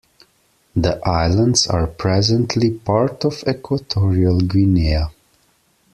The islands are presently part of Equatorial Guinea.